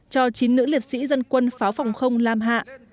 cho chín nữ liệt sĩ dân quân pháo phòng không lam hạ